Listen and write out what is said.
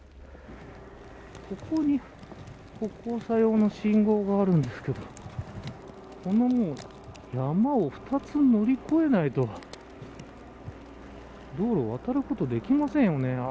ここに歩行者用信号があるんですけど山を２つ乗り越えないと道路を渡ることができませんよね。